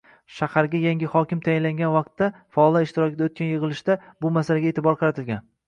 Shaharga yangi hokim tayinlangan vaqtda, faollar ishtirokida oʻtgan yigʻilishda bu masalaga eʼtibor qaratilgan.